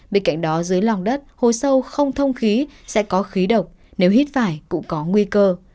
bên cạnh đó dưới lòng đất hồ sâu không thông khí sẽ có khí độc nếu hít phải cũng có nguy cơ